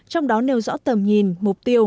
trong đó nêu rõ tầm nhìn mục tiêu